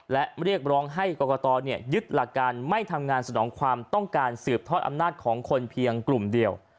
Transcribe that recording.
และเรียกร้องให้กรกตยึดหลักการไม่ทำงานสนองความต้องการสืบทอดอำนาจของคนเพียงกลุ่มเดียว